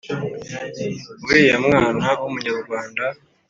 uriya mwana w'umunyarwanda."